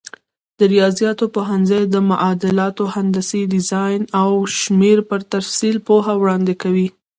د ریاضیاتو پوهنځی د معادلاتو، هندسي ډیزاین او شمېرو پر تفصیل پوهه وړاندې کوي.